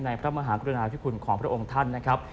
พระมหากรุณาธิคุณของพระองค์ท่านนะครับ